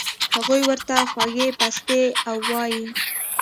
هغو ورته خوږې پستې اووائي